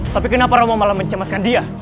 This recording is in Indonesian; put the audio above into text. tapi kenapa romo malah mencemaskan dia